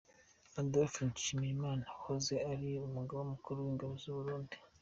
Adolphe Nshimirimana, wahoze ari Umugaba mukuru w’ingabo mu Burundi.